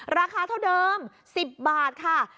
ราคาเท่าเดิม๑๐บาทค่ะ